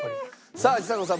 さあちさ子さん